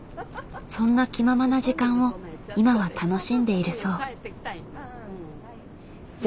そんな気ままな時間を今は楽しんでいるそう。